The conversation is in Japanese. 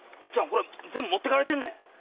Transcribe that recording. これ全部持っていかれてんねん。